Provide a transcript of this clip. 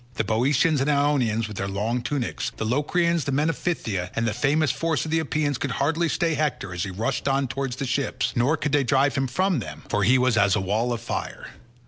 The Boeotians and the Ionians with their long tunics, the Locrians, the men of Phthia, and the famous force of the Epeans could hardly stay Hector as he rushed on towards the ships, nor could they drive him from them, for he was as a wall of fire.